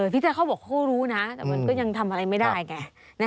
พี่แจ๊เขาบอกเขาก็รู้นะแต่มันก็ยังทำอะไรไม่ได้ไง